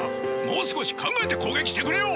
もう少し考えて攻撃してくれよ！